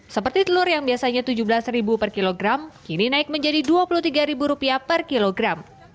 seperti telur yang biasanya rp tujuh belas per kilogram kini naik menjadi rp dua puluh tiga per kilogram